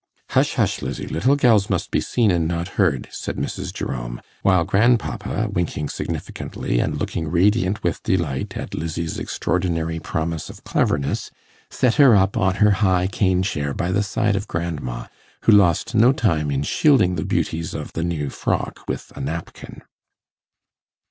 'Hush, hush, Lizzie, little gells must be seen and not heard,' said Mrs. Jerome; while grandpapa, winking significantly, and looking radiant with delight at Lizzie's extraordinary promise of cleverness, set her up on her high cane chair by the side of grandma, who lost no time in shielding the beauties of the new frock with a napkin.